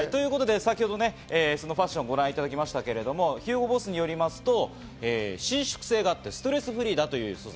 先ほどファッションをご覧いただきましたが、ＨＵＧＯＢＯＳＳによりますと、伸縮性があってストレスフリーだという素材。